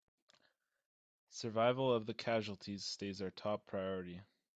Survival of the casualties stays our top priority!